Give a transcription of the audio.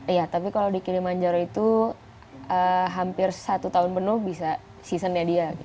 iya tapi kalau di kili manjaro itu hampir satu tahun penuh bisa season nya dia